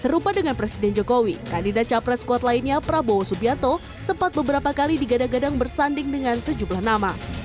serupa dengan presiden jokowi kandidat capres kuat lainnya prabowo subianto sempat beberapa kali digadang gadang bersanding dengan sejumlah nama